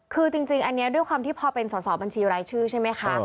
คือจริงอันนี้ด้วยความที่พอเป็นสอบบัญชีรายชื่อใช่ไหมคะ